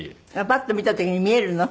パッと見た時に見えるの？